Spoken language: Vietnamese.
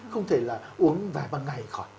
không thể là uống vài ba ngày khỏi